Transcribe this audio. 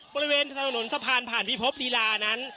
บริเวณถนนสะพานผ่านพิภพลีลานั้น